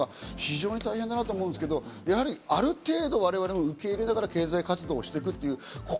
非常に大変だなと思いますが、ある程度、我々も受け入れながら経済活動をしていく。